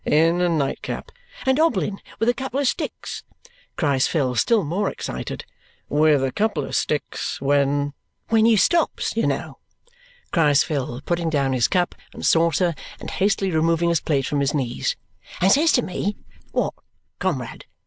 "In a night cap " "And hobbling with a couple of sticks!" cries Phil, still more excited. "With a couple of sticks. When " "When you stops, you know," cries Phil, putting down his cup and saucer and hastily removing his plate from his knees, "and says to me, 'What, comrade!